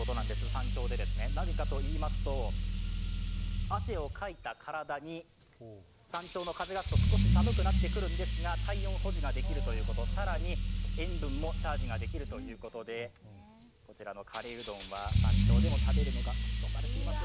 山頂で、何かといいますと汗をかいた体に山頂の風が吹くと少し寒くなってくるんですが体温保持ができるということ、更に塩分もチャージができるということで、こちらのカレーうどんは山頂でも食べるのが吉とされています。